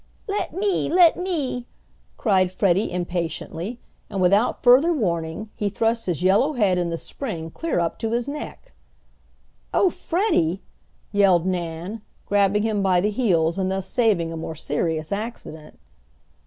"Let me! Let me!" cried Freddie impatiently, and without further warning he thrust his yellow head in the spring clear up to his neck! "Oh, Freddie!" yelled Nan, grabbing him by the heels and thus saving a more serious accident.